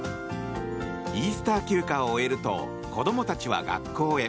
イースター休暇を終えると子供たちは学校へ。